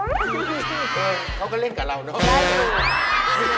ดูสิเขาก็เล่นกับเราเนอะ